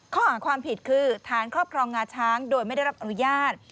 ข้อหาความผิดคือฐานครอบครองงาช้างโดยไม่ได้รับอนุญาต